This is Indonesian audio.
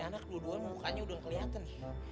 ini anak lo duanya mukanya udah ngeleaten nih